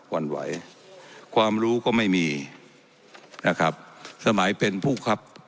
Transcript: วันไหวความรู้ก็ไม่มีนะครับสมัยเป็นผู้ครับ